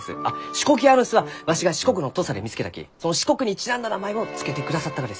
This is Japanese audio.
「シコキアヌス」はわしが四国の土佐で見つけたきその四国にちなんだ名前を付けてくださったがです。